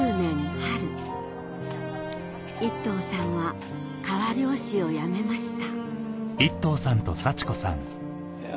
春一藤さんは川漁師をやめました